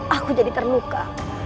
aku jadi terluka